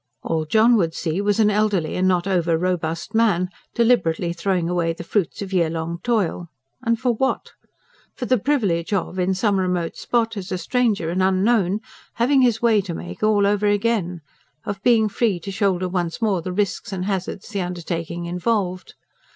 All John would see was an elderly and not over robust man deliberately throwing away the fruits of year long toil and for what? For the privilege of, in some remote spot, as a stranger and unknown, having his way to make all over again; of being free to shoulder once more the risks and hazards the undertaking involved.